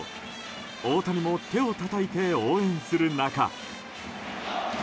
大谷も手をたたいて応援する中。